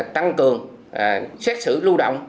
tăng cường xét xử lưu động